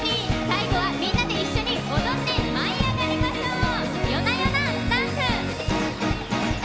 最後は、みんなで一緒に踊って舞い上がりましょう！